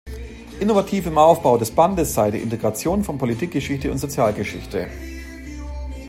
Innovativ im Aufbau des Bandes sei die Integration von Politikgeschichte und Sozialgeschichte.